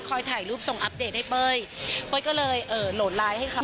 ถ่ายรูปส่งอัปเดตให้เป้ยเป้ยก็เลยเอ่อโหลดไลน์ให้เขา